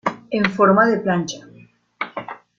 En forma de plancha.